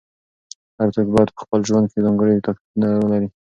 هر څوک بايد په خپل ژوند کې ځانګړي تاکتيکونه ولري.